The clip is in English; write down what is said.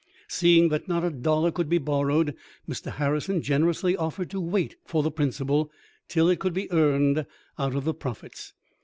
Seeing that not a dollar could be borrowed, Mr. Harrison generously offered to wait for the principal till it could be earned out of the profits.